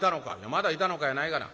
「『まだいたのか』やないがな。